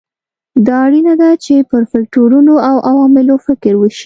دا اړینه ده چې پر فکټورونو او عواملو فکر وشي.